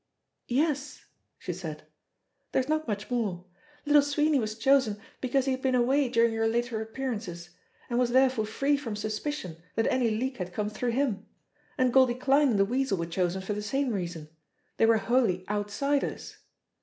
"Yes !" she said. "There is not much more. Little Swee ney was chosen because he had been away during your later appearances, and was therefore free from suspicion that any leak had come through him; and Goldie Kline and the Weasel were chosen for the same reason they were wholly outsiders.